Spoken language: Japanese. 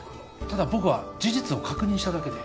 ただ僕は事実を確認しただけで。